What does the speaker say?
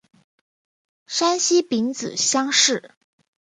山西丙子乡试。